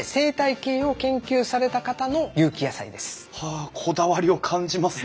あこだわりを感じますね。